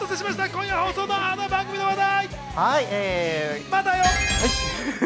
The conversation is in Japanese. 今夜放送のあの番組の話題。